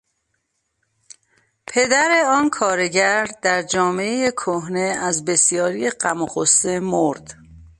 پدر آن کارگر در جامعهٔ کهنه از بسیاری غم و غصه مرد.